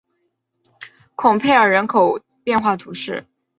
孔佩尔人口变化图示